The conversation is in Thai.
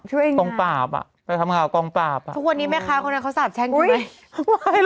ช่วยงานกองปราบอ่ะไปทำงานกองปราบทุกคนนี้ไหมคะเค้าสาบแชงใช่ไหม